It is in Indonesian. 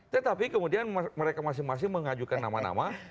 tetapi kemudian mereka masing masing mengajukan nama nama